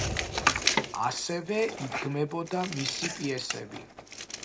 ასევე, იდგმებოდა მისი პიესები.